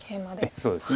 そうですね